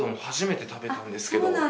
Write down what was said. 初めて食べたんですけど。